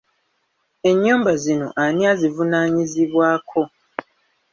Ennyumba zino ani azivunaanyizibwako?